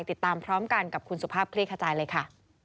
ติดตามพร้อมกันกับคุณสุภาพคลี่ขจายเลยค่ะ